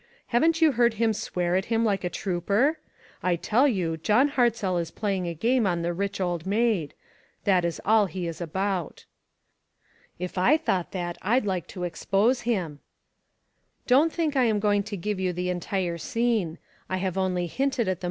Haven't you heard him swear at him like a trooper? I tell you, John Hart zell is playing a game on the rich old maid; that is all he is about." "If I thought that, I'd like to expose him." Don't think I am going to give you the entire scene. I have only hinted at the ONE COMMONPLACE DAY.